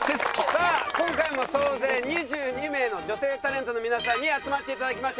さあ今回も総勢２２名の女性タレントの皆さんに集まって頂きました。